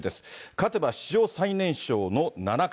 勝てば史上最年少の七冠。